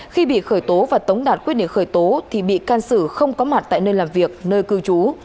khi bị khởi tố và tống đạt quyết định khởi tố thì bị can sử không có mặt tại nơi làm việc nơi cư trú